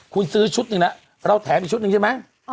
คุณซื้อชุดหนึ่งแล้วเราแถมอีกชุดหนึ่งใช่ไหม